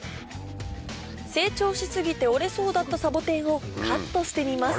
成長し過ぎて折れそうだったサボテンをカットしてみます